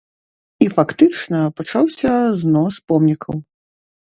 І фактычна пачаўся знос помнікаў.